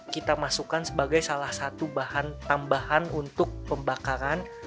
kita masukkan sebagai salah satu bahan tambahan untuk pembakaran